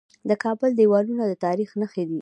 د کابل دیوالونه د تاریخ نښې دي